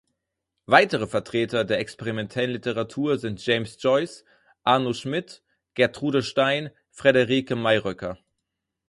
Weitere Vertreter der Experimentellen Literatur sind James Joyce, Arno Schmidt, Gertrude Stein, Friederike Mayröcker.